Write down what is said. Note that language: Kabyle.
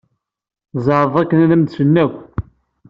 Zɛeḍ akken ad am-d-slen akk.